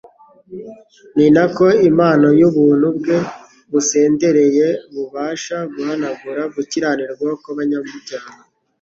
Ni nako impano y’ubuntu bwe busendereye bubasha guhanagura gukiranirwa kw’abanyabyaha,